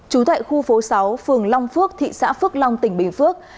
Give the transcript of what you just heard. trú tại khu phố sáu phường long phước thị xã phước long tỉnh bình phước